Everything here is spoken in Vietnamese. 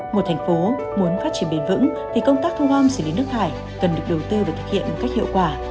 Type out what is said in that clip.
một thành phố muốn phát triển bền vững thì công tác thu gom xử lý nước thải cần được đầu tư và thực hiện một cách hiệu quả